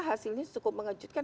hasilnya cukup mengejutkan